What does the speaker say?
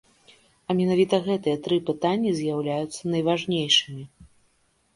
А менавіта гэтыя тры пытанні з'яўляюцца найважнейшымі.